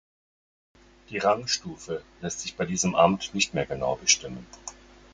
Die Rangstufe lässt sich bei diesem Amt nicht mehr genau bestimmen.